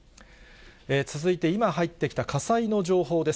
続いて今入ってきた火災の情報です。